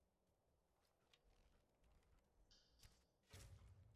ila ni uaminifu kwake kutokana na juhudi zake za kazi